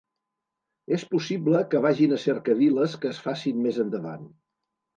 És possible que vagin a cercaviles que es facin més endavant.